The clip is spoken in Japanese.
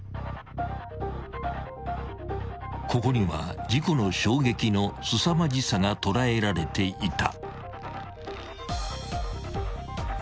［ここには事故の衝撃のすさまじさが捉えられていた］